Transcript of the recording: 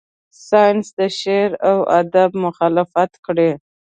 ساینس د شعر و ادب مخالفت کړی.